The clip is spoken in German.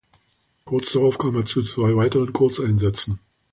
Kurz darauf kam er zu zwei weiteren Kurzeinsätzen.